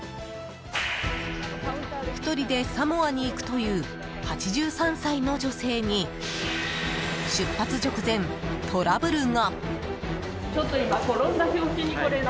１人でサモアに行くという８３歳の女性に出発直前、トラブルが。